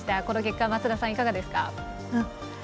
この結果は増田さんいかがですか？